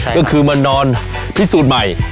ก็คือมานอนพิสูจน์ใหม่